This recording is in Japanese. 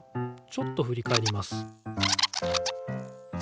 ちょっとふりかえります。